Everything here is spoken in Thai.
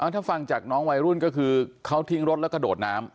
ถ้าฟังจากน้องวัยรุ่นก็คือเขาทิ้งรถแล้วกระโดดน้ำ